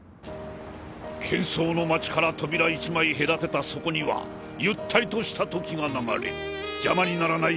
喧噪の街から扉一枚隔てたそこにはゆったりとした時が流れ邪魔にならない